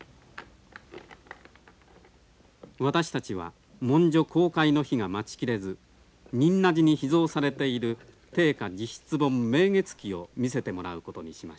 私たちは文書公開の日が待ち切れず仁和寺に秘蔵されている定家自筆本「明月記」を見せてもらうことにしました。